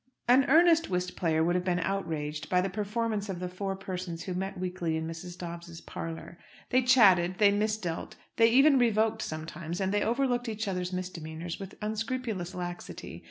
An earnest whist player would have been outraged by the performances of the four persons who met weekly in Mrs. Dobbs's parlour. They chatted, they misdealt, they even revoked sometimes; and they overlooked each other's misdemeanours with unscrupulous laxity.